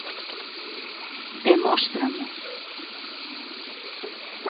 Demóstramo.